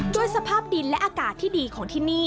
สภาพดินและอากาศที่ดีของที่นี่